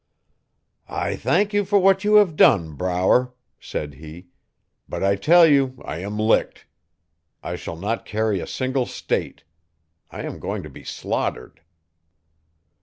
'I thank you for what you have done, Brower,' said he, 'but I tell you I am licked. I shall not carry a single state. I am going to be slaughtered.